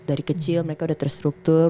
dari kecil mereka sudah terstruktur